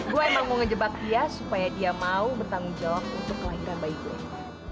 gue emang mau ngejebak dia supaya dia mau bertanggung jawab untuk kelahiran bayi gue